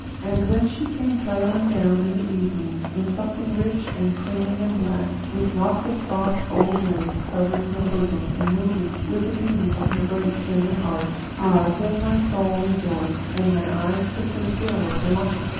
And when she came trailing down in the evening, in something rich and clinging and black, with lots of soft old lace covering her bosom and moving with the beating of her great tender heart; ah, then my soul rejoiced and my eyes took their fill of delight!